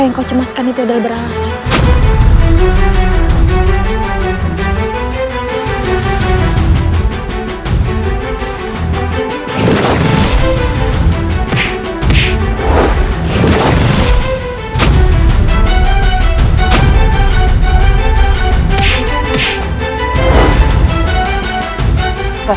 semoga allah selalu melindungi kita